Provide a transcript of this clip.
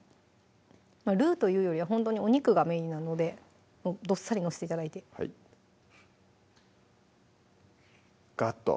ルーというよりはほんとにお肉がメインなのでもうどっさり載せて頂いてはいガッと？